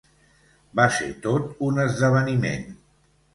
Va ser tot un esdeveniment.